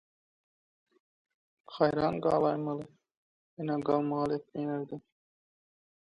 Haýran galaýmaly – ene galmagal etmeýär-de